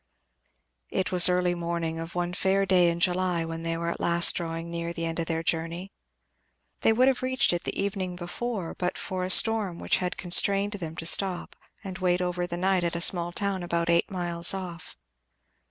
It was early morning of one fair day in July when they were at last drawing near the end of their journey. They would have reached it the evening before but for a storm which had constrained them to stop and wait over the night at a small town about eight miles off.